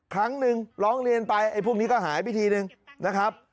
ครั้งหนึ่งร้องเรียนไปไอ้พวกนี้ก็หายไปทีนึงนะครับ